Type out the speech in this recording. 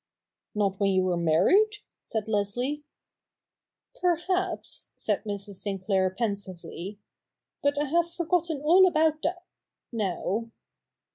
' Not when you were married ?' said Leslie. ' Perhaps,' said Mrs. Sinclair pensively, ' but I have forgotten all about that now.'